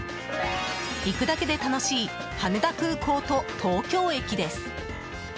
行くだけで楽しい羽田空港と東京駅です。